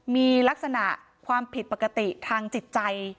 มีลักษณะความผิดปกติทางจิตใจ